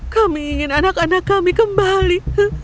kami ingin anak anak kami kembali